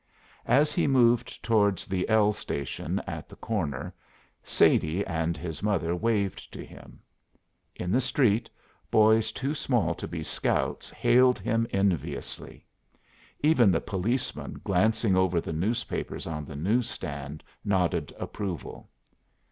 As he moved toward the "L" station at the corner, Sadie and his mother waved to him; in the street, boys too small to be Scouts hailed him enviously; even the policeman glancing over the newspapers on the news stand nodded approval.